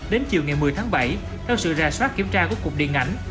đến chiều ngày một mươi tháng bảy theo sự rà soát kiểm tra của cục điện ảnh